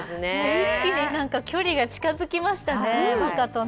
一気に和歌と距離が近付きましたね。